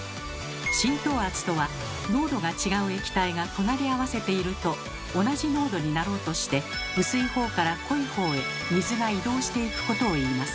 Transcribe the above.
浸透圧とは濃度が違う液体が隣り合わせていると同じ濃度になろうとして薄いほうから濃いほうへ水が移動していくことをいいます。